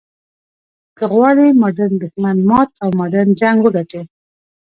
که غواړې ماډرن دښمن مات او ماډرن جنګ وګټې.